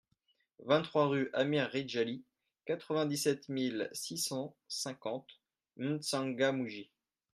vingt-trois rUE AMIR RIDJALI, quatre-vingt-dix-sept mille six cent cinquante M'Tsangamouji